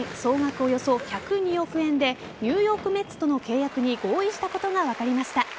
およそ１０２億円でニューヨーク・メッツとの契約に合意したことが分かりました。